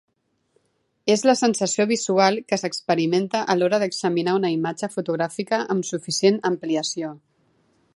És la sensació visual que s'experimenta a l'hora d'examinar una imatge fotogràfica amb suficient ampliació.